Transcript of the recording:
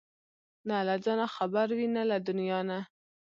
نه له ځانه خبر وي نه له دنيا نه!